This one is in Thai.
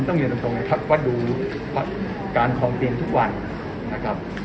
ต้องเรียนตรงครับว่าดูการทองเตียงทุกวันนะครับ